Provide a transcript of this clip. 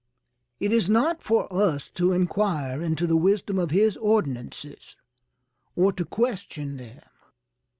It is not for us to inquire into the wisdom of his ordinances, or to question them.